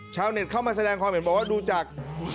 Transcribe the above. ชาวเน็ตเข้ามาแสดงความเห็นบอกว่าดูจาก